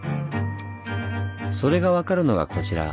それが分かるのがこちら。